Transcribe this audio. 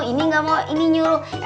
ini nggak mau ini nyuruh